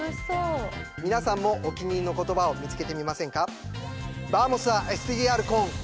皆さんもお気に入りの言葉を見つけてみませんか？